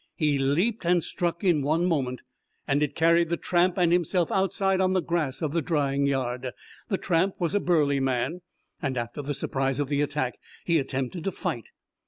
He leaped and struck in one movement, and it carried the tramp and himself outside on the grass of the drying yard. The tramp was a burly man, and after the surprise of the attack he attempted to fight.